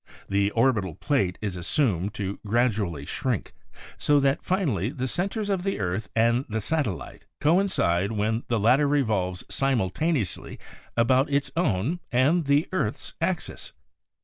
The orbital plate is assumed to gradually shrink, so that finally the centers of the earth and the satellite coin cide when the latter revolves simultaneously about its own and the earth's axis.